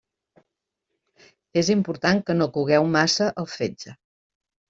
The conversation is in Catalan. És important que no cogueu massa el fetge.